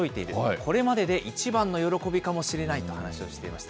これまでで一番の喜びかもしれないと話をしていました。